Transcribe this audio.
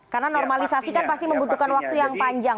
karena normalisasi kan pasti membutuhkan waktu yang panjang